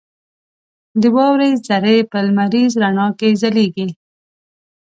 • د واورې ذرې په لمریز رڼا کې ځلېږي.